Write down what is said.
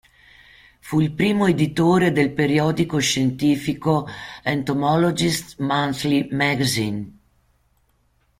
Fu il primo editore del periodico scientifico "Entomologist's Monthly Magazine".